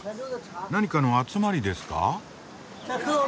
何かの集まりですか？